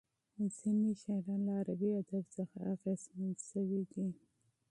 ځینې شاعران له عربي ادب څخه اغېزمن شوي دي.